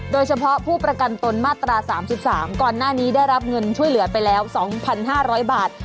โดยเฉพาะผู้ประกันตนมาตรา๓๓ก่อนหน้านี้ได้รับเงินช่วยเหลือไปแล้ว๒๕๐๐บาท